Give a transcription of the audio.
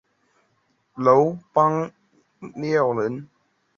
楼邦彦人。